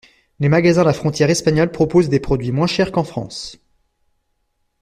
Les magasins à la frontière espagnole proposent des produits moins chers qu'en France.